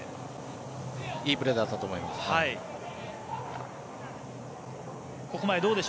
いいプレーだったと思います。